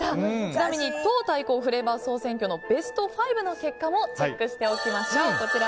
ちなみに党対抗フレーバー総選挙のベスト５の結果もチェックしておきましょう。